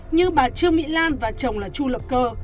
như bà trương mỹ lan và chồng là chu lập cơ